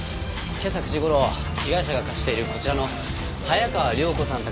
今朝９時頃被害者が貸しているこちらの早川涼子さん